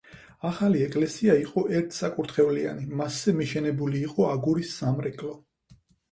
ახალი ეკლესია იყო ერთსაკურთხევლიანი, მასზე მიშენებული იყო აგურის სამრეკლო.